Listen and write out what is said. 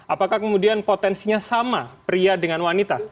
apakah kemudian potensinya sama pria dengan wanita